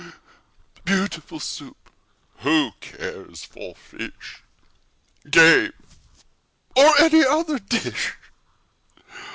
Beautiful Soup! Who cares for fish, Game, or any other dish?